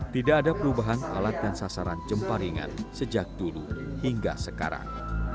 tidak ada perubahan alat dan sasaran jemparingan sejak dulu hingga sekarang